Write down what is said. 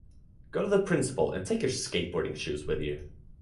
Go to the principal and take your skateboarding shoes with you.